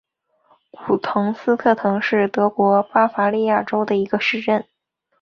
古滕斯特滕是德国巴伐利亚州的一个市镇。